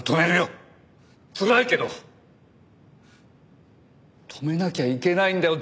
つらいけど止めなきゃいけないんだよ